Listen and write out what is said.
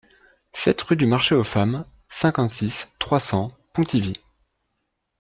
sept rue du Marché aux Femmes, cinquante-six, trois cents, Pontivy